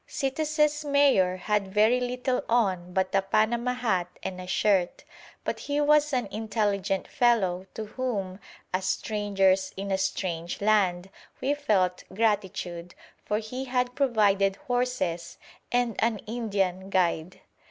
Citas's mayor had very little on but a panama hat and a shirt, but he was an intelligent fellow to whom, as strangers in a strange land, we felt gratitude, for he had provided horses and an Indian guide.